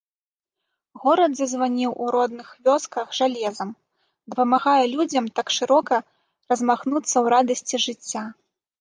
Горад зазваніў у родных вёсках жалезам, дапамагае людзям там шырока размахнуцца ў радасці жыцця.